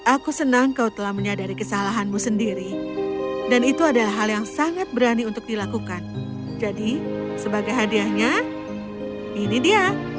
aku senang kau telah menyadari kesalahanmu sendiri dan itu adalah hal yang sangat berani untuk dilakukan jadi sebagai hadiahnya ini dia